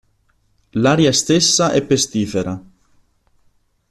L'aria stessa è pestifera.